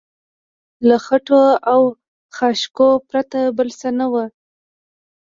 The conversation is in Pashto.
له خټو او خاشاکو پرته بل څه نه و.